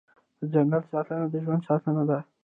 د ځنګل ساتنه د ژوند ساتنه ده